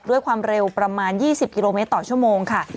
ด้วยความเร็วประมาณ๒๐กิโลเมตรต่อชั่วโมงค่ะ